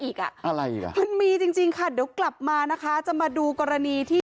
อีกอ่ะมีจริงค่ะเดี๋ยวกลับมานะคะจะมาดูกรณีที่